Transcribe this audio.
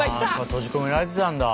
閉じ込められてたんだ。